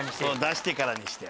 出してからにして。